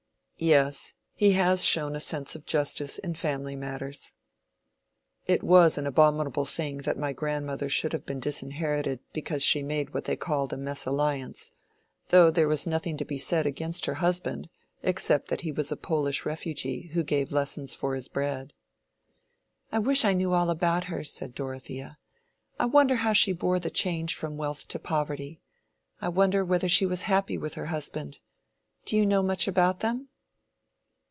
"Yes; he has shown a sense of justice in family matters. It was an abominable thing that my grandmother should have been disinherited because she made what they called a mesalliance, though there was nothing to be said against her husband except that he was a Polish refugee who gave lessons for his bread." "I wish I knew all about her!" said Dorothea. "I wonder how she bore the change from wealth to poverty: I wonder whether she was happy with her husband! Do you know much about them?"